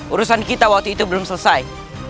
urusan kita waktu itu belum selesai